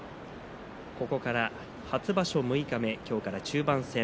ここから初場所、六日目今日から中盤戦。